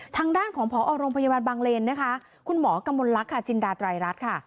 ทางด้านของพอโรงพยาบาลบางเลนนะคะคุณหมอกมลลักษณ์ค่ะจินดาไตรรัฐค่ะ